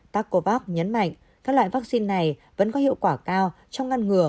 tarkovac nhấn mạnh các loại vaccine này vẫn có hiệu quả cao trong ngăn ngừa